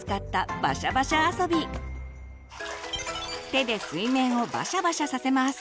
手で水面をバシャバシャさせます。